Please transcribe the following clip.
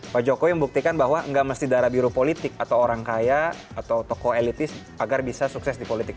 pak jokowi membuktikan bahwa nggak mesti darah biru politik atau orang kaya atau tokoh elitis agar bisa sukses di politik